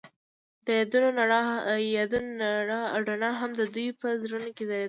د یادونه رڼا هم د دوی په زړونو کې ځلېده.